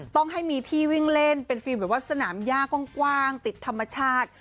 ต้องให้มีที่วิ่งเล่นเป็นฟิล์มแบบว่าสนามย่ากว้างติดธรรมชาติ